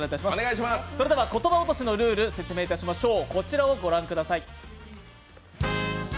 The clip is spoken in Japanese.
それでは「ことば落とし」のルールを説明いたしましょう。